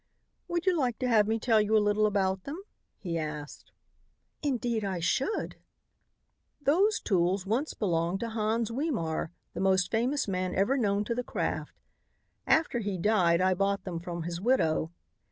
"Would you like to have me tell you a little about them?" he asked. "Indeed I should." "Those tools once belonged to Hans Wiemar, the most famous man ever known to the craft. After he died I bought them from his widow.